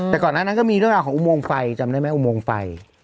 แต่ก่อนนั้นก็มีเรื่องของอุโมงไฟจำได้มั้ยอุโมงไฟ